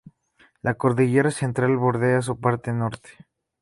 La cordillera Central bordea su parte Norte.